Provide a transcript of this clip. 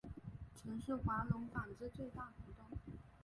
曾是华隆纺织最大股东。